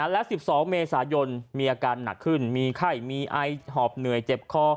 และ๑๒เมษายนมีอาการหนักขึ้นมีไข้มีไอหอบเหนื่อยเจ็บคอ